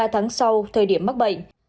ba tháng sau thời điểm mắc bệnh